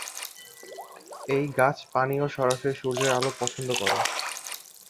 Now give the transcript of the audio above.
এই গাছ পানি ও সরাসরি সূর্যের আলো পছন্দ করে।